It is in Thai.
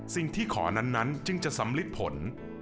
สิ่งที่ขอนั้นจึงจะสำลิดผล